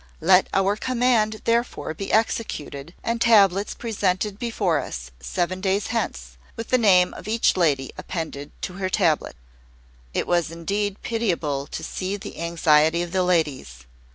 Let Our Command therefore be executed, and tablets presented before us seven days hence, with the name of each lady appended to her tablet." It was indeed pitiable to see the anxiety of the ladies!